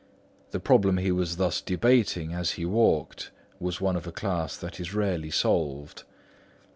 The problem he was thus debating as he walked, was one of a class that is rarely solved.